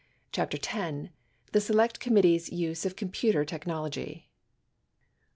X CHAPTER 10 The Select Committee's Use of Computer Technology I.